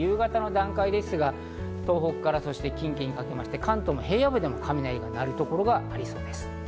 夕方の段階ですが、東北から近畿にかけまして、関東の平野部でも雷が鳴るところがありそうです。